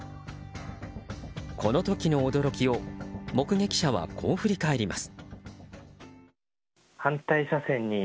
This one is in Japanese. この時の驚きを、目撃者はこう振り返ります。